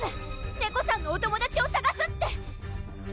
ネコさんのお友達をさがすって！